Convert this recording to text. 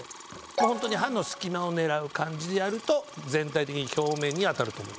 ホントに歯の隙間を狙う感じでやると全体的に表面に当たると思います。